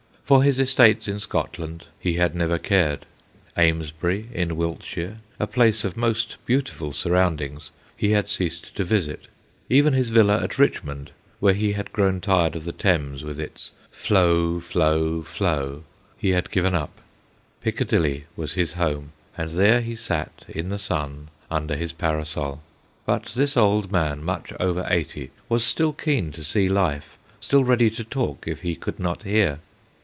For his estates in Scotland he had never cared ; Amesbury in Wiltshire, a place of most beautiful surroundings, he had ceased to visit ; even his villa at Richmond, where he had grown tired of the Thames with its ' flow, flow, flow/ he had given up ; Picca dilly was his home, and there he sat in the sun under his parasol. But this old man, much over eighty, was still keen to see life, still ready to talk if he could not hear.